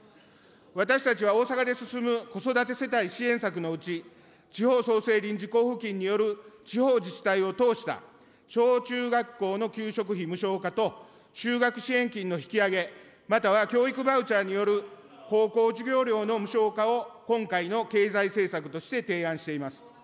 私たちは大阪で進む子育て世帯支援策のうち、地方創生臨時交付金による地方自治体を通した小中学校の給食費無償化と就学支援金の引き上げ、または教育バウチャーによる高校授業料の無償化を今回の経済政策として提案しています。